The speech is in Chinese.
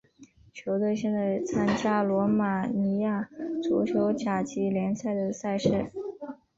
球队现在参加罗马尼亚足球甲级联赛的赛事。